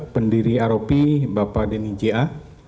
dan sendiri aropi bapak deni j a